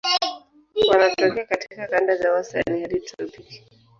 Wanatokea katika kanda za wastani hadi tropiki.